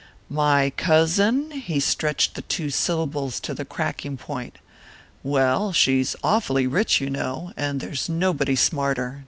"My cousin?" he stretched the two syllables to the cracking point. "Well, she's awfully rich, you know; and there's nobody smarter.